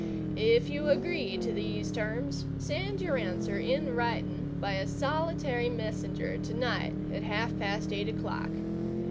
If you agree to these terms, send your answer in writing by a solitary messenger to night at half past eight o'clock.